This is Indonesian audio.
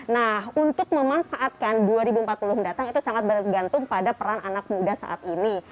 nah untuk memanfaatkan dua ribu empat puluh mendatang itu sangat bergantung pada peran anak muda saat ini